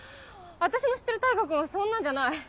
私の知ってる大牙君はそんなんじゃない。